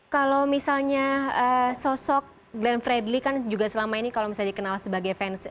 kalau misalnya sosok glenn fredly kan juga selama ini kalau misalnya dikenal sebagai fans